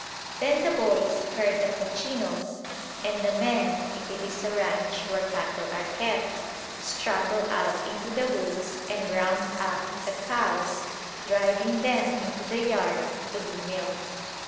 Then the boys herd the "cochinos," and the men, if it is a ranch where cattle are kept, straggle out into the woods and "round up" the cows, driving them into the yard to be milked.